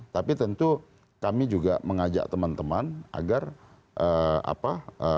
tapi tentu kami juga mengajak teman teman agar apa